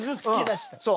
そう。